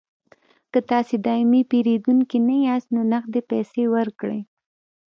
که تاسې دایمي پیرودونکي نه یاست نو نغدې پیسې ورکړئ